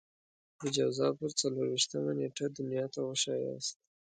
د جوزا پر څلور وېشتمه نېټه دنيا ته وښاياست.